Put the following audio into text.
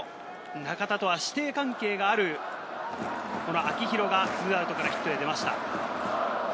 中田とは師弟関係がある、この秋広が２アウトからヒットで出ました。